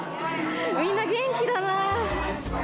みんな元気だな。